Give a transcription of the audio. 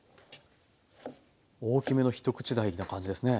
大きめの一口大な感じですね。